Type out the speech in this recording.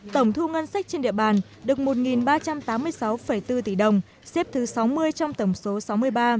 tổng thu ngân sách trên địa bàn được một ba trăm tám mươi sáu bốn tỷ đồng xếp thứ sáu mươi trong tổng số sáu mươi ba